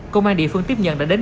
công an địa phương tiếp nhận đã đến